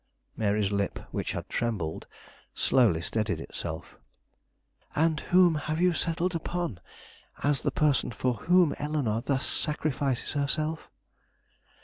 Mary's lip, which had trembled, slowly steadied itself. "And whom have you settled upon, as the person for whom Eleanore thus sacrifices herself?"